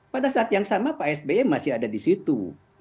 pada saat yang sama pak sby masih ada di situ